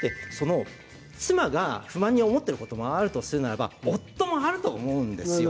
妻が不満に思っていることがあるとするならば夫もあると思うんですよ。